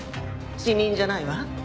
死人じゃないわ。